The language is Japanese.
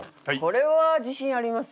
これは自信ありますよ。